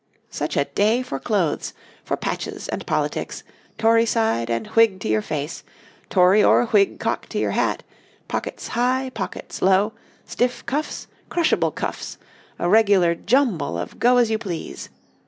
Such a day for clothes, for patches, and politics, Tory side and Whig to your face, Tory or Whig cock to your hat; pockets high, pockets low, stiff cuffs, crushable cuffs, a regular jumble of go as you please.